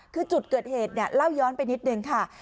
คือจุดเกิดเหตุเนี่ยเล่าย้อนไปนิดนึงค่ะ